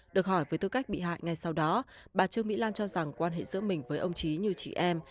được hỏi về tư cách bị hại ngay sau đó bà trương mỹ lan cho rằng quan hệ giữa mình với ông trí như chị em